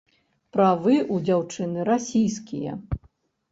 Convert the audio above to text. Правы ў дзяўчыны расійскія.